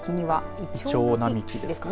イチョウ並木ですかね。